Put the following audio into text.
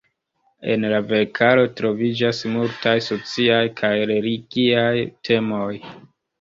En la verkaro troviĝas multaj sociaj kaj religiaj temoj.